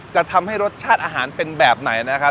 จะทำให้รสชาติอาหารเป็นแบบไหนนะครับ